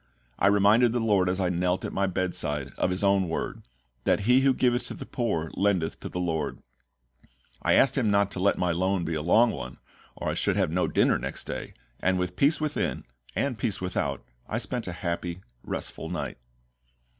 I reminded the LORD as I knelt at my bedside of His own Word, that he who giveth to the poor lendeth to the LORD: I asked Him not to let my loan be a long one, or I should have no dinner next day; and with peace within and peace without, I spent a happy, restful night.